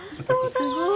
すごい。